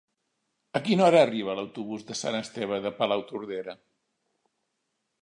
A quina hora arriba l'autobús de Sant Esteve de Palautordera?